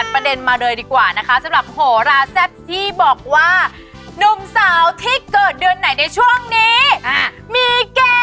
แต่ไม่หมดไปบวชชิพาไปร่วมไม่เหมี